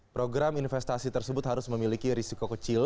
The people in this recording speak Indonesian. program investasi tersebut harus memiliki risiko kecil